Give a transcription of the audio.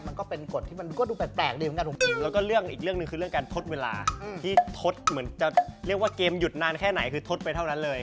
มันเหมือนจะเรียกว่าเกมหยุดนานแค่ไหนเพราะทดไปเท่านั้นเลย